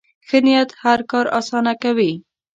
ښه نیت هر کار اسانه کوي.